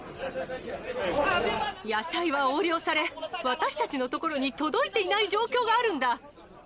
野菜は横領され、私たちの所に届いていない状況があるんだ。